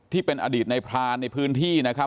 ที่เป็นอดีตในพรานในพื้นที่นะครับ